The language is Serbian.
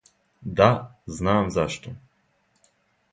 Да, знам зашто.